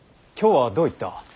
今日はどういった。